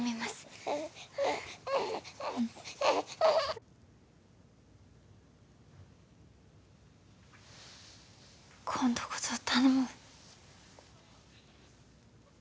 うん今度こそ頼む